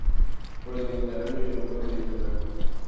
Por el Mediterráneo y Europa meridional.